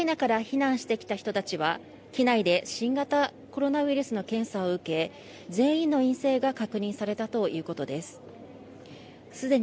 ウクライナから避難してきた人たちは機内で新型コロナウイルスの検査を受け全員の陰性が確認されたということです。